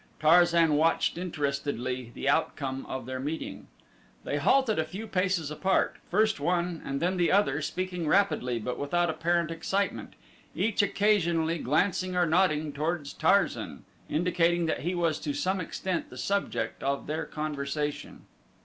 Tarzan watched interestedly the outcome of their meeting. They halted a few paces apart, first one and then the other speaking rapidly but without apparent excitement, each occasionally glancing or nodding toward Tarzan, indicating that he was to some extent the subject of their conversation.